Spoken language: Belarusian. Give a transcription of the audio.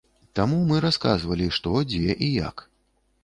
Таму мы расказвалі што, дзе і як.